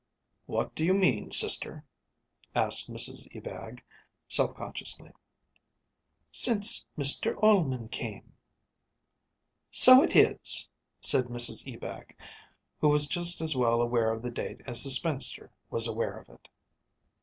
"What do you mean, sister?" asked Mrs Ebag, self consciously. "Since Mr Ullman came." "So it is!" said Mrs Ebag, who was just as well aware of the date as the spinster was aware of it.